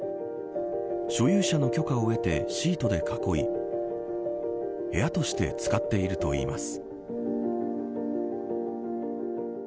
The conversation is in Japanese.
所有者の許可を得てシートで囲い部屋として使っているといいます。